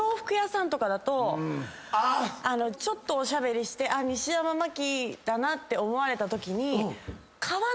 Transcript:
とかだとちょっとおしゃべりして西山茉希だなって思われたときに。